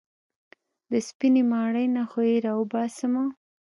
د سپينې ماڼۍ نه خو يې راوباسمه.